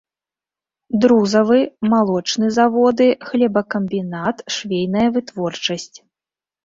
Друзавы, малочны заводы, хлебакамбінат, швейная вытворчасць.